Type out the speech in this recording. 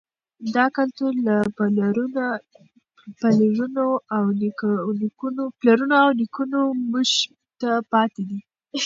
دا کلتور له پلرونو او نیکونو موږ ته پاتې دی.